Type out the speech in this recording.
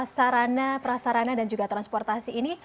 sarana prasarana dan juga transportasi ini